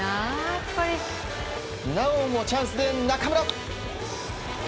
なおもチャンスで中村。